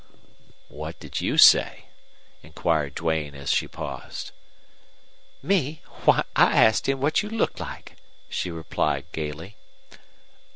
"What did you say?" inquired Duane, as she paused. "Me? Why, I asked him what you looked like," she replied, gayly.